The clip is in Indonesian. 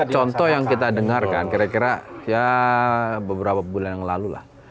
contoh yang kita dengarkan kira kira ya beberapa bulan yang lalu lah